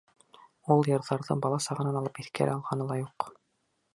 Ул йырҙарҙы бала сағынан алып иҫкә лә алғаны юҡ.